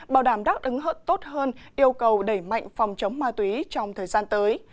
bảo đảm đắc ứng hợp tốt hơn yêu cầu đẩy mạnh phòng chống ma túy trong thời gian tới